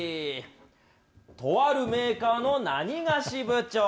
とあるメーカーのなにがし部長。